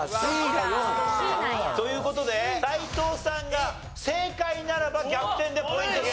Ｃが４。という事で斎藤さんが正解ならば逆転でポイントゲット。